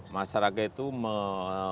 masyarakat itu melihat teladan tersebut